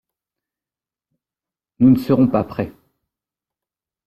Nous ne serons pas prêts!